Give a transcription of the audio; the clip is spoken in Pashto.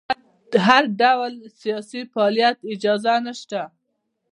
د هر ډول سیاسي فعالیت اجازه نشته.